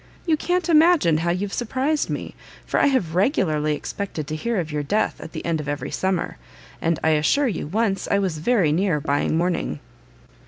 You can't imagine how you've surprised me, for I have regularly expected to hear of your death at the end of every summer: and, I assure you, once, I was very near buying mourning."